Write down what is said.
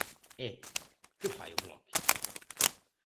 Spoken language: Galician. E ¿que fai o Bloque?